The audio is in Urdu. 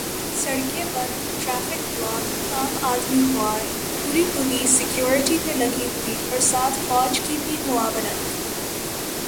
سڑکیں بند، ٹریفک بلاک، عام آدمی خوار، پوری پولیس سکیورٹی پہ لگی ہوئی اور ساتھ فوج کی بھی معاونت۔